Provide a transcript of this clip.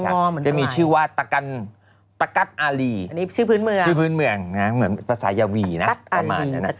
จะมีชื่อว่าตะกัดอารีชื่อพื้นเมืองเหมือนภาษายาวีนะประมาณนี้